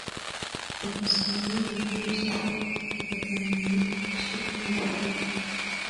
tugasanga yujuje ibisabwa agatangira gushyirwa mu bikorwa